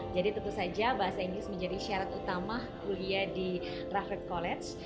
jadi tentu saja bahasa inggris menjadi syarat utama kuliah di raffles college